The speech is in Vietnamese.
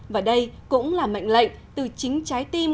và đây cũng là mệnh lệnh từ chính trái tim